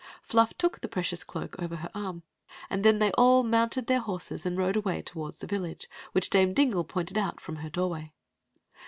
Fluff took the precious cloak over her arm, and then they all mounted their horses and rode away toward the village, which Dame Dingle pointed out from her doorway.